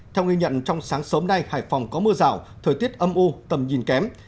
theo ghi nhận trong sáng sớm nay hải phòng có mưa rào thời tiết âm u tầm nhìn kém